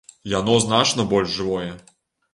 Яно значна больш жывое!